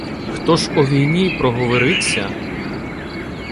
Хто ж о війні проговориться